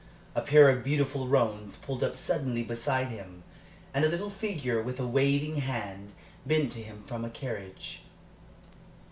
A pair of beautiful roans pulled up suddenly beside him, and a little figure with a waving hand bent to him from a carriage.